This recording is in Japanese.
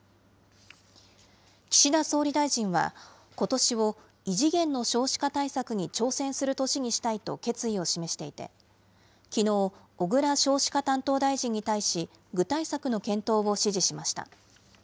岸田総理大臣は、ことしを異次元の少子化対策に挑戦する年にしたいと決意を示していて、きのう、小倉少子化担当大臣に対し、具体策の検討を指示しました。